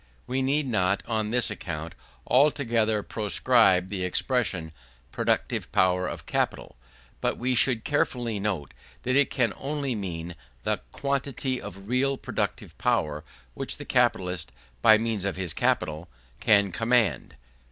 We need not, on this account, altogether proscribe the expression, "productive power of capital;" but we should carefully note, that it can only mean the quantity of real productive power which the capitalist, by means of his capital, can command.